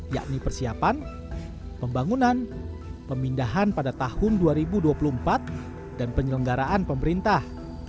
yakni persiapan pembangunan pemindahan pada tahun dua ribu dua puluh empat dan penyelenggaraan pemerintah